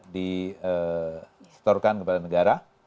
dihistorkan kepada negara